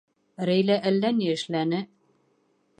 Рәйлә әллә ни эшләне.